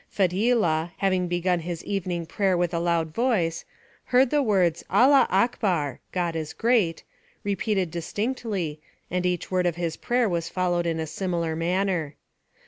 Fadhilah, having begun his evening prayer with a loud voice, heard the words "Allah akbar" (God is great) repeated distinctly, and each word of his prayer was followed in a similar manner.